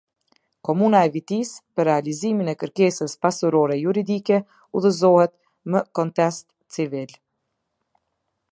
Komuna e Vitisë, për realizimin e kërkesës pasurore juridike udhëzohet më kontest civil.